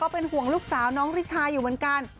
เป็นห่วงลูกสาวน้องริชาอยู่เหมือนกัน